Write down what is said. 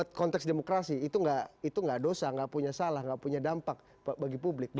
untuk konteks demokrasi itu gak dosa gak punya salah gak punya dampak bagi publik